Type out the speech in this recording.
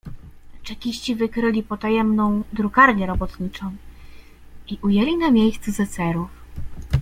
"Czekiści wykryli potajemną drukarnię robotniczą i ujęli na miejscu zecerów."